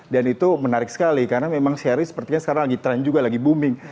dan itu menarik sekali karena memang series sepertinya sekarang lagi trend juga lagi booming